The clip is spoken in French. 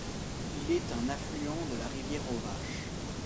Il est un affluent de la rivière aux Vaches.